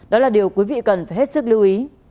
đó là điều quý vị cần phải hết sức lưu ý